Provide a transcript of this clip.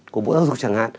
của bộ giáo dục chẳng hạn